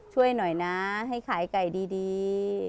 ช่วยหน่อยนะให้ขายไก่ดี